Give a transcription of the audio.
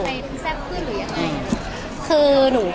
จะได้เห็นคุณไปซัพเพื่อนหรือยังไง